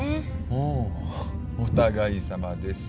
ほうお互いさまです。